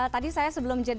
tadi saya sebelum jeda